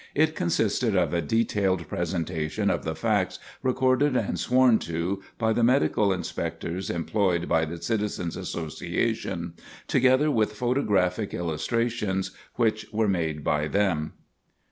It consisted of a detailed presentation of the facts recorded and sworn to by the medical inspectors employed by the Citizens' Association, together with photographic illustrations which were made by them.